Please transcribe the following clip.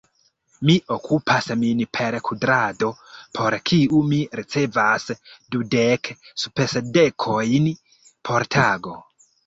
Mi okupas min per kudrado, por kiu mi ricevas dudek spesdekojn por tago.